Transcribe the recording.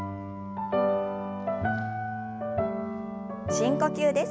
深呼吸です。